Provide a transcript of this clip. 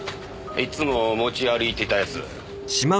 いつも持ち歩いてたやつ。